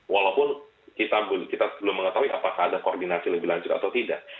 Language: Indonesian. walaupun kita belum mengetahui apakah ada koordinasi lebih lanjut atau tidak